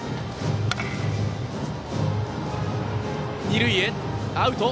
二塁、アウト。